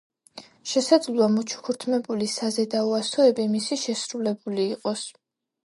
შესაძლოა მოჩუქურთმებული საზედაო ასოები მისი შესრულებული იყოს.